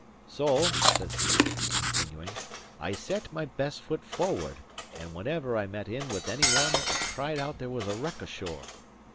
"So," says he, continuing, "I set my best foot forward, and whenever I met in with any one I cried out there was a wreck ashore.